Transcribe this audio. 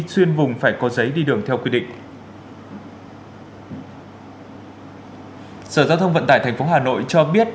xuyên vùng phải có giấy đi đường theo quy định sở giao thông vận tải tp hà nội cho biết